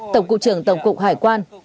tổng cục trưởng tổng cục hải quan